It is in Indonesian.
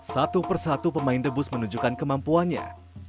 satu persatu pemain debus menunjukkan kemampuannya